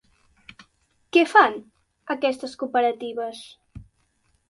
Què fan aquestes cooperatives?